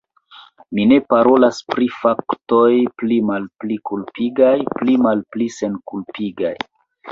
Mi ne parolas pri faktoj pli malpli kulpigaj, pli malpli senkulpigaj.